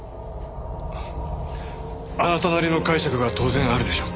あなたなりの解釈が当然あるでしょう？